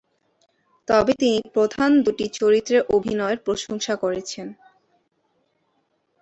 তবে তিনি প্রধান দুটি চরিত্রের অভিনয়ের প্রশংসা করেছেন।